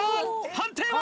判定は？